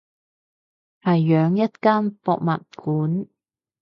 係養一間博物館